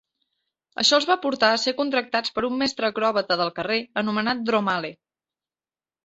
Això els va portar a ser contractats per un mestre acròbata del carrer anomenat Dromale.